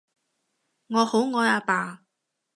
我好愛阿爸